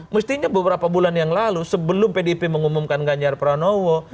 mestinya beberapa bulan yang lalu sebelum pdip mengumumkan ganjar pranowo